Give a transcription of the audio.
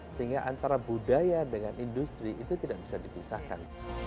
sehingga antara budaya dengan industri itu tidak bisa dipisahkan